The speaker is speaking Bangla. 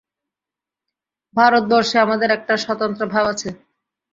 ভারতবর্ষে আমাদের একটা স্বতন্ত্র ভাব আছে।